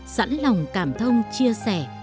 sẵn lòng cảm thông chia sẻ